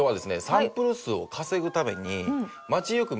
サンプル数を稼ぐために。